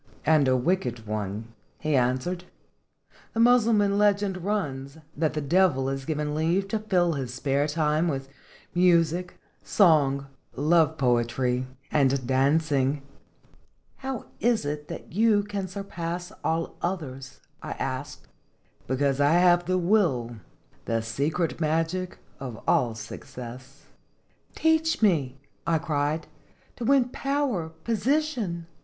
"And a wicked one?" he answered. "The Mussulman legend runs, that the Devil is given leave to fill his spare time with music, song, love poetry, and dancing." " How is it that you can surpass all others?" I asked. " Because I have the will the secret magic of all success." " Teach me," I cried, " to win power, posi tion!"